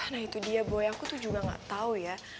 nah itu dia boy aku tuh juga nggak tahu ya